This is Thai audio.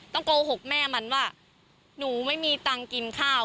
โกหกแม่มันว่าหนูไม่มีตังค์กินข้าว